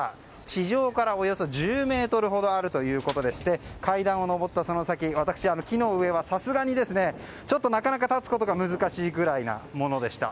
地上からおよそ１０ｍほどあるということでして階段を上った先、私、木の上はさすがにちょっとなかなか立つことが難しいくらいのものでした。